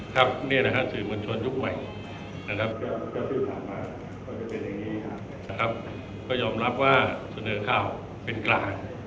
ครับเนี้ยนะคะสื่อมวลชนยุคใหม่นะครับก็ยอมรับว่าเสนอข้าวเป็นกลาง